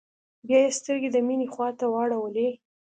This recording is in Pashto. بيا يې سترګې د مينې خواته واړولې.